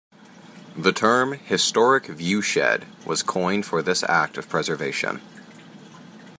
The term "historic viewshed" was coined for this act of preservation.